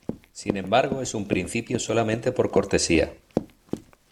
Sin embargo, es un principio solamente por cortesía.